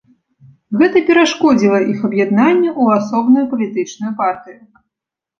Гэта перашкодзіла іх аб'яднанню ў асобную палітычную партыю.